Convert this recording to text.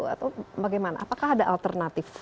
atau bagaimana apakah ada alternatif